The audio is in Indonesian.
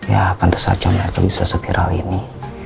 ya pantas saja mereka bisa spiral ini